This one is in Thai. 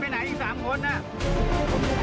เดี๋ยวหลุงนั่งตรงนี้ก่อนหลุงนั่งตรงนี้ก่อน